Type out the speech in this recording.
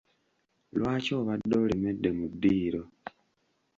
Lwaki obadde olemedde mu ddiiro?